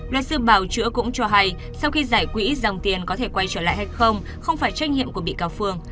luật sư bảo chữa cũng cho hay sau khi giải quỹ dòng tiền có thể quay trở lại hay không không phải trách nhiệm của bị cáo phương